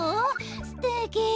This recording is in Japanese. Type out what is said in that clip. すてき。